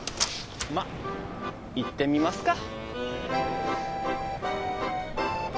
まあ行ってみますか。